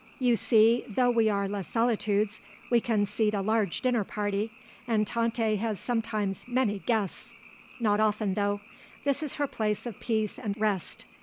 You see, though we are Les Solitudes, we can seat a large dinner party and Tante has sometimes many guests; not often though; this is her place of peace and rest.